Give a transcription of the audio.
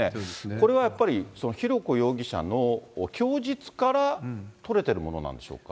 これはやっぱり、その浩子容疑者の供述から取れてるものなんでしょうか。